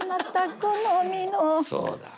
そうだ。